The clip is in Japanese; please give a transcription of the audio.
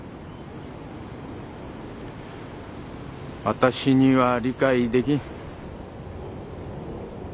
わたしには理解できん。